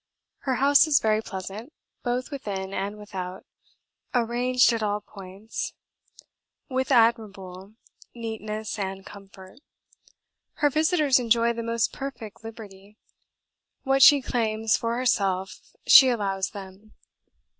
Her house is very pleasant, both within and without; arranged at; all points with admirable neatness and comfort. Her visitors enjoy the most perfect liberty; what she claims for herself she allows them.